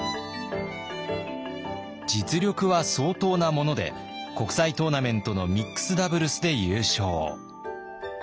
実力は相当なもので国際トーナメントのミックスダブルスで優勝。